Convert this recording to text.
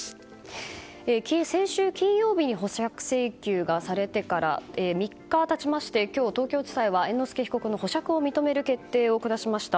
先週金曜日に保釈請求されてから３日経ちまして今日東京地裁は、猿之助被告の保釈を認める決定を下しました。